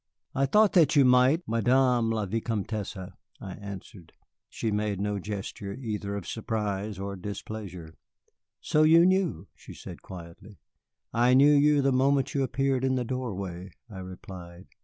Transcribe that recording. "I thought that you might, Madame la Vicomtesse," I answered. She made no gesture, either of surprise or displeasure. "So you knew," she said quietly. "I knew you the moment you appeared in the doorway," I replied.